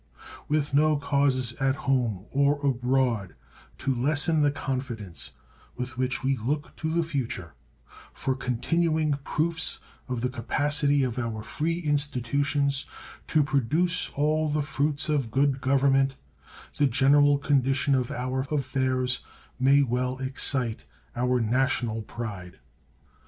With no causes at home or abroad to lessen the confidence with which we look to the future for continuing proofs of the capacity of our free institutions to produce all the fruits of good government, the general condition of our affairs may well excite our national pride.